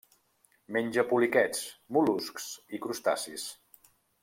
Menja poliquets, mol·luscs i crustacis.